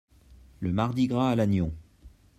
Le Mardi-Gras à Lannion.